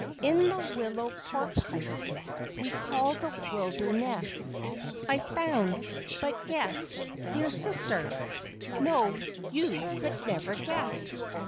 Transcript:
In the willow copses, We call the wilderness, I found — but guess, dear sister, — No, you could never guess